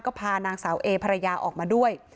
ก็พานางสาวเอภรรยาออกมาด้วย